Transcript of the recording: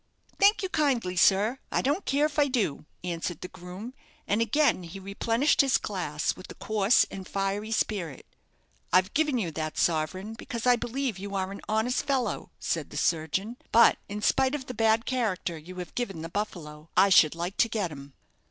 "Thank you kindly, sir; I don't care if I do," answered the groom; and again he replenished his glass with the coarse and fiery spirit. "I've given you that sovereign because I believe you are an honest fellow," said the surgeon. "But in spite of the bad character you have given the 'Buffalo' I should like to get him."